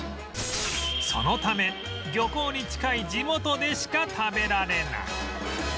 そのため漁港に近い地元でしか食べられない